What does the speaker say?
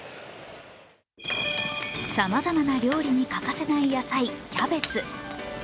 さまざまな料理に欠かせない野菜、キャベツ。